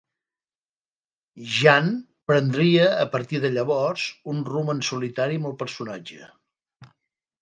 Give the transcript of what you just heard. Jan prendria a partir de llavors un rumb en solitari amb el personatge.